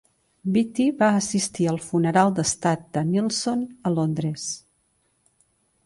Beatty va assistir al funeral d'estat de Nelson a Londres.